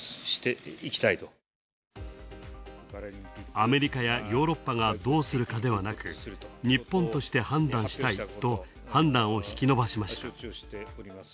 アメリカやヨーロッパがどうするかではなく、日本として判断したいと判断を引き伸ばしました。